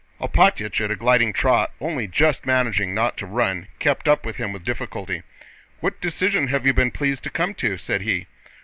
Alpátych at a gliding trot, only just managing not to run, kept up with him with difficulty. "What decision have you been pleased to come to?" said he.